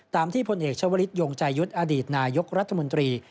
ตามที่พลเนกพระวิทย์วงศุวรณรองค์นายกรัฐมนตรี